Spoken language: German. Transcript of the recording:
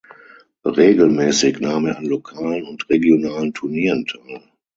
Regelmäßig nahm er an lokalen und regionalen Turnieren teil.